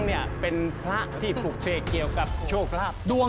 เนี่ยเป็นพระที่ปลูกเสกเกี่ยวกับโชคลาภดวง